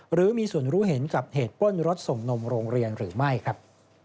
หรือมีส่วนรู้เห็นกับเหตุปล้นรถส่งนมโรงเรียนหรือไม่ครับ